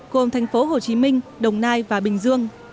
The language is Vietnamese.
gồm thành phố hồ chí minh đồng nai và bình dương